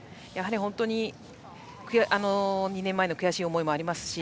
本当に、２年前の悔しい思いもあるし